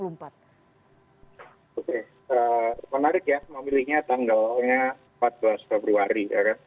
menarik ya memilihnya tanggal empat belas februari